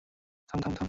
থাম, থাম, থাম।